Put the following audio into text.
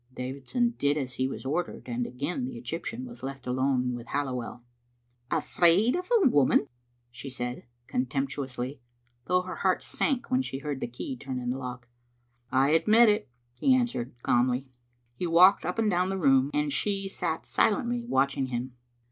" Davidson did as he was ordered, and again the Egyp tian was left alone with Halliwell. "Afraid of a woman!" she said, contemptuously, though her heart sank when she heard the key turn in the lock. " I admit it," he answered, calmly. He walked up and down the room, and she sat silently watching him.